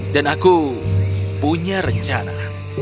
dan aku punya rencana